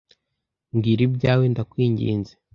Mbwira ibyawe, ndakwinginze,